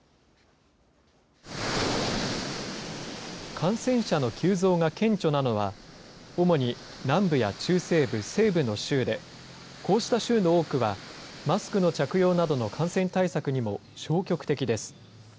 感染者の急増が顕著なのは、主に南部や中西部、西部の州で、こうした州の多くは、マスクの着用などの感染対策にも消極的です。